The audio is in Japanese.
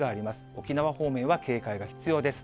沖縄方面は警戒が必要です。